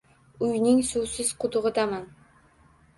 Uyning suvsiz qudug’idaman